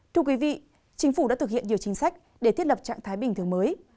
thưa quý vị chính phủ đã thực hiện nhiều chính sách để thiết lập trạng thái bình thường mới